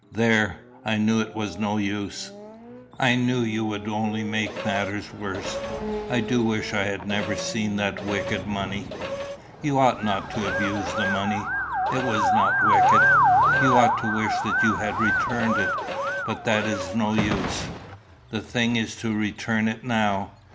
"There! I knew it was no use. I knew you would only make matters worse. I do wish I had never seen that wicked money." "You ought not to abuse the money; it was not wicked. You ought to wish that you had returned it. But that is no use; the thing is to return it now.